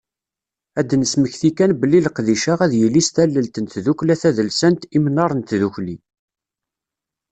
Ad d-nesmekti kan belli leqdic-a ad yili s tallelt n tddukkla tadelsant Imnar n Tdukli.